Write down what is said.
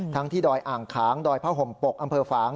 ที่ดอยอ่างขางดอยผ้าห่มปกอำเภอฝาง